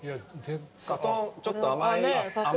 砂糖ちょっと甘い。